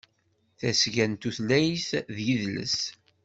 Tasga n Tutlayt d Yidles.